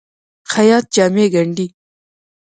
خیاط جامې ګنډي.